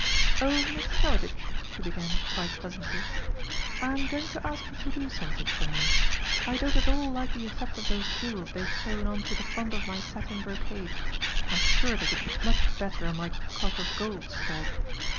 "Oh, Miss Heritage," she began, quite pleasantly, "I'm going to ask you to do something for me. I don't at all like the effect of those jewels they've sewn on to the front of my satin brocade. I'm sure they would look much better on my cloth of gold skirt.